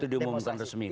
itu diumumkan resmi kok